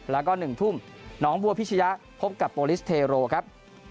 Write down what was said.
แล้วก็๑ทุ่มน้องบัวพิชยะพบกับโปรลิสเทโรครับ